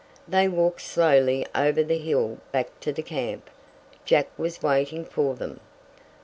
They walked slowly over the hill back to the camp. Jack was waiting for them.